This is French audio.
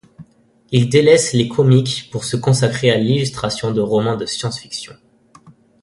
Il délaisse les comics pour se consacrer à l'illustration de romans de science-fiction.